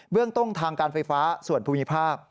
เรื่องต้นทางการไฟฟ้าส่วนภูมิภาค